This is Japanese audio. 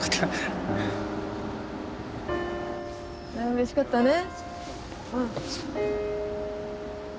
うれしかったね。